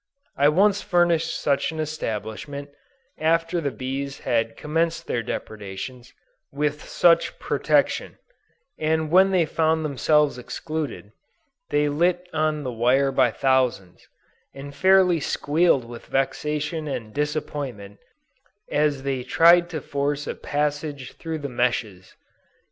I once furnished such an establishment, after the bees had commenced their depredations, with such protection; and when they found themselves excluded, they lit on the wire by thousands, and fairly squealed with vexation and disappointment, as they tried to force a passage through the meshes.